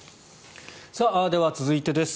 では、続いてです。